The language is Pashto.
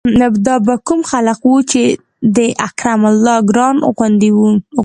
دا به کوم خلق وو چې د اکرام الله ګران غوندې